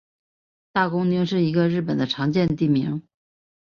大工町是一个日本的常见地名。